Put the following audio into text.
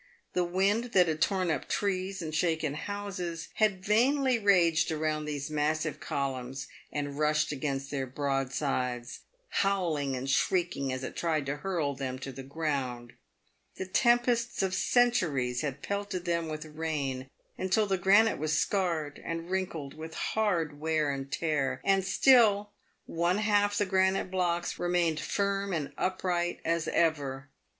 The wind that had torn up trees and shaken houses, had vainly raged around these massive columns and rushed against their broad sides, howling and shrieking as it tried to hurl them to the ground ; the tempests of centuries had pelted them with rain, until the granite was scarred and wrinkled with hard wear and tear, and still one half the granite blocks remained firm and upright as ever, 286